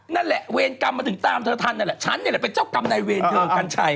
นั่นแหละเวรกรรมมันถึงตามเธอทันนั่นแหละฉันนี่แหละเป็นเจ้ากรรมนายเวรเธอกัญชัย